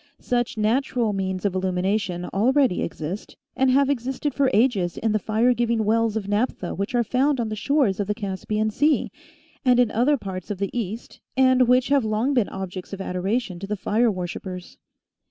Such natural means of illumination already exist, and have existed for ages in the fire giving wells of naphtha which are found on the shores of the Caspian sea, and in other parts of the east, and which have long been objects of adoration to the fire worshippers.